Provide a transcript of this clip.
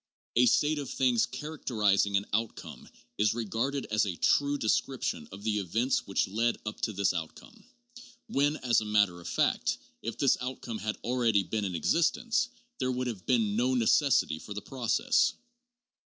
A state of things characterizing an outcome is re garded as a true description of the events which led up to this outcome ; when, as a matter of fact, if this outcome had already been in existence, there would have been no necessity for the process.